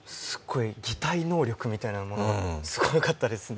擬態能力みたいなものがすごかったですね。